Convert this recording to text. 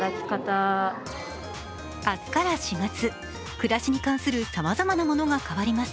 暮らしに関するさまざまなものが変わります。